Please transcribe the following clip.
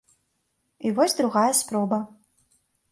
І вось другая спроба.